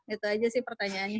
itu saja sih pertanyaannya